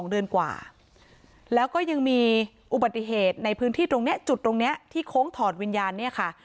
เดือนกว่าแล้วก็ยังมีอุบัติเหตุในพื้นที่ตรงนี้จุดตรงนี้ที่โค้งถอดวิญญาณเนี่ยค่ะ